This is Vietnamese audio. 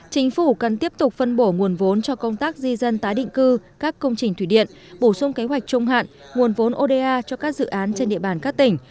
chính phủ cần tiếp tục phân bổ nguồn vốn cho công tác di dân tái định cư các công trình thủy điện bổ sung kế hoạch trung hạn nguồn vốn oda cho các dự án trên địa bàn các tỉnh